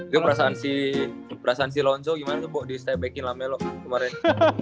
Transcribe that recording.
lo perasaan si lonzo gimana tuh kok di step back in lame lobo kemarin